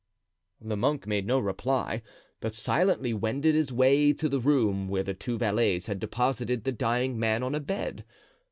The monk made no reply, but silently wended his way to the room where the two valets had deposited the dying man on a bed.